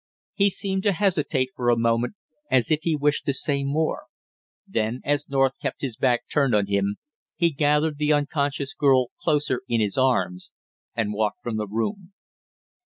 He seemed to hesitate for a moment as if he wished to say more; then as North kept his back turned on him, he gathered the unconscious girl closer in his arms, and walked from the room.